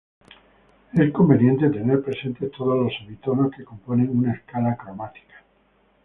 Es conveniente tener presentes todos los semitonos que componen una escala cromática.